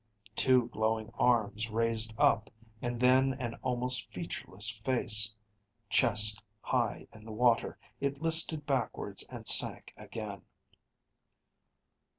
"_ _Two glowing arms raised up, and then an almost featureless face. Chest high in the water, it listed backwards and sank again.